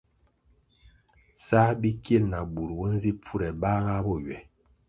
Sál bikil na bur bo nzi pfure bahga bo ywe.